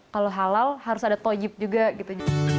kalau halal harus ada tojib juga gitu